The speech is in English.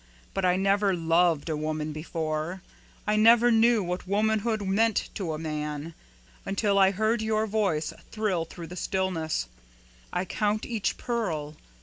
But I never LOVED a woman before; I never knew what womanhood meant to a man, until I heard your voice thrill through the stillness 'I count each pearl.'